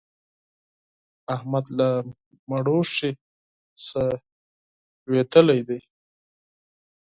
احمد له مړوښې څخه لوېدلی دی.